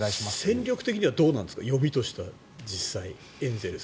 戦力的にはどうなんですか読みとしては、エンゼルス。